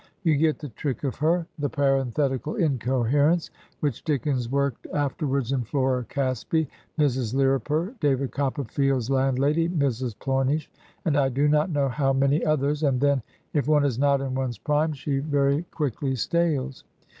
You get the trick of her, the parenthetical incoherence which Dickens worked after wards in Flora Casby, Mrs. Lirriper, David Copperfield's landlady, Mrs. Plomish, and I do not know how many others, and then, if one is not in one's prime, she very quickly stales.